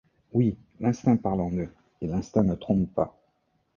Oui, l’instinct parle en eux, et l’instinct ne trompe pas.